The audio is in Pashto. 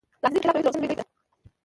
د عاجزي په خلاف روش دروغجنه لويي ده.